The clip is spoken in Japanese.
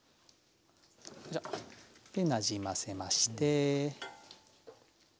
でなじませまして。